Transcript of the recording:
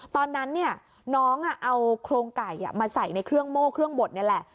ตอนนั้นน้องเอาโครงไก่มาใส่ในเครื่องโม่เครื่องบดนี่แหละ